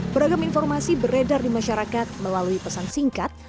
beragam informasi beredar di masyarakat melalui pesan singkat